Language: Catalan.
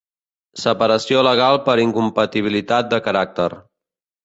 Separació legal per incompatibilitat de caràcter.